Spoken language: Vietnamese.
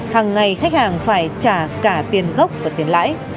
hàng ngày khách hàng phải trả cả tiền gốc và tiền lãi